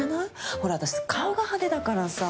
ほら私顔が派手だからさ。